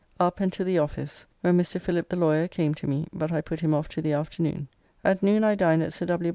Up and to the office, where Mr. Phillip the lawyer came to me, but I put him off to the afternoon. At noon I dined at Sir W.